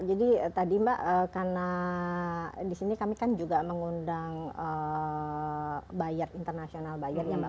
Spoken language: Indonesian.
jadi tadi mbak karena di sini kami kan juga mengundang international buyer ya mbak